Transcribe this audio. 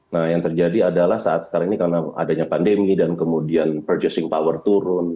nah yang terjadi adalah saat sekarang ini karena adanya pandemi dan kemudian purchasing power turun